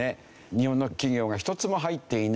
日本の企業が１つも入っていない。